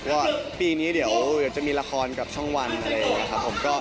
ก็ปีนี้เดี๋ยวจะมีละครกับช่องวันอะไรอย่างนี้ครับผม